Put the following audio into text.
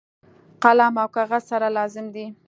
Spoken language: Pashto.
قلم او کاغذ سره لازم دي.